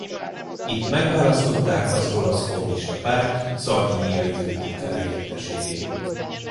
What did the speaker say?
Itt megválasztották az Olasz Kommunista Párt Szardíniai főtitkár-helyettesévé.